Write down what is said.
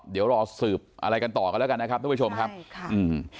เดี๋ยวรอสืบอะไรกันต่อกันแล้วกันนะครับทุกผู้ชมครับค่ะอืม